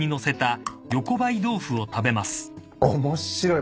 面白い。